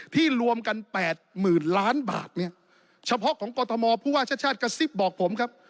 รวมกันแปดหมื่นล้านบาทเนี่ยเฉพาะของกรทมผู้ว่าชาติชาติกระซิบบอกผมครับ